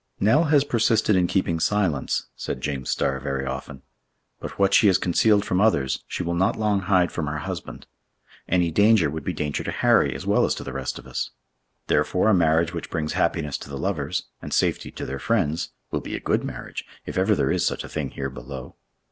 "Nell has persisted in keeping silence," said James Starr very often, "but what she has concealed from others, she will not long hide from her husband. Any danger would be danger to Harry as well as to the rest of us. Therefore, a marriage which brings happiness to the lovers, and safety to their friends, will be a good marriage, if ever there is such a thing here below."